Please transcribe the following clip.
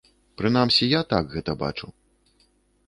Прынамсі я так гэта бачу.